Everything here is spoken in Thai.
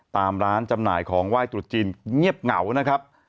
ตามร้านจำหน่ายของไหว้ตรุษจีนเงียบเหงานะครับ